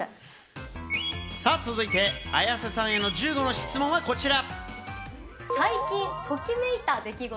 続いて、綾瀬さんへの１５の質問はこちら。